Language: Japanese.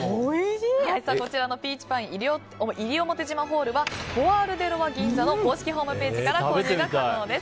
こちらのピーチパイン西表島はポアール・デ・ロワＧＩＮＺＡの公式ホームページから購入が可能です。